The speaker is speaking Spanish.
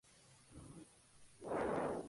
Es parte de la cocina alemana.